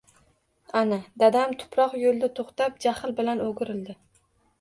Ana, dadam tuproq yo‘lda to‘xtab, jahl bilan o‘girildi.